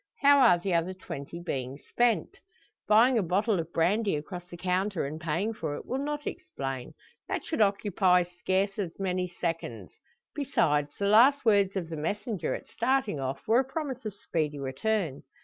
How are the other twenty being spent? Buying a bottle of brandy across the counter, and paying for it, will not explain; that should occupy scarce as many seconds. Besides, the last words of the messenger, at starting off, were a promise of speedy return.